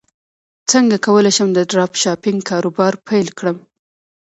څنګه کولی شم د ډراپ شپینګ کاروبار پیل کړم